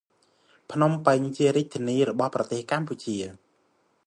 ភ្នំពេញជារាជធានីរបស់ប្រទេសកម្ពុជា។